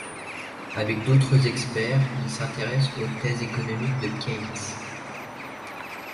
Avec d'autres experts, il s'intéresse aux thèses économiques de Keynes.